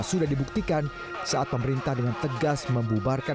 sudah dibuktikan saat pemerintah dengan tegas membubarkan